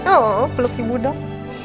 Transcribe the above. aw peluk ibu dong